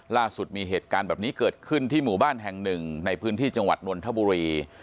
ล่าสุดมีเหตุการณ์แบบนี้เกิดขึ้นที่หมู่บ้านแห่งหนึ่งในพื้นที่จังหวัดนนทบุรี